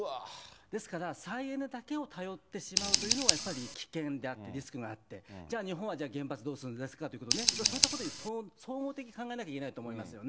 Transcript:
ですから、再エネだけを頼ってしまうというのはやっぱり、危険であってリスクがあって、じゃあ、日本は原発どうするんですかっていうことですね、そういったことを総合的に考えなきゃいけないと思いますよね。